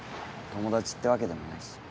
友達ってわけでもないし。